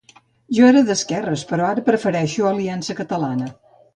Jo era d'esquerres, però ara prefereixo Aliança Catalana.